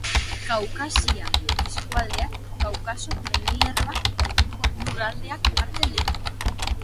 Kaukasia eskualdeak Kaukaso mendilerroa eta inguruko lurraldeak hartzen ditu.